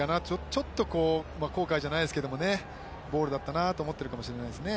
ちょっと後悔じゃないですけど、ボールだったなと思ってるかもしれませんね。